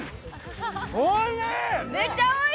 おいしい！